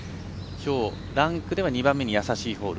きょう、ランクでは２番目に易しいホール。